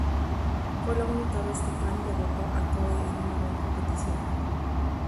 Fue la única vez que Cram derrotó a Coe en una gran competición.